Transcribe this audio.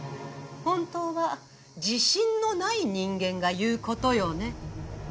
本当は自信のない人間が言うことよね。